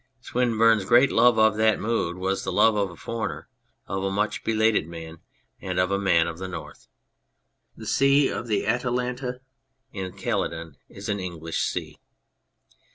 Swinburne's great love of that mood was the love of a^breigner, of a much belated man, and of a man of the North. The sea of the Atalanta in Calydon is an English sea.